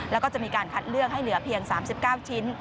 แล้วก็จะมีการคัดเลือกให้เหลือเพียง๓๙ชิ้น